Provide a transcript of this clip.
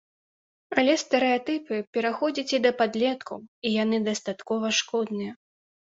Але стэрэатыпы пераходзяць і да падлеткаў, і яны дастаткова шкодныя.